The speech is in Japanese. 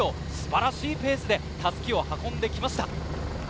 素晴らしいペースで襷を運んできました。